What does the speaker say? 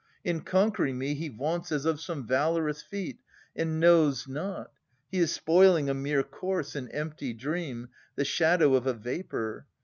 In conquering me He vaunts as of some valorous feat, and knows not He is spoiling a mere corse, an empty dream, The shadow of a vapour.